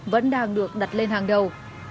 vẫn đang được đặt lên hàng đầu